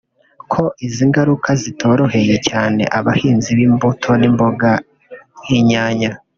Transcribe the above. ko izi ngaruka zitoroheye cyane abahinzi b’imbuto n’imboga nk’inyanya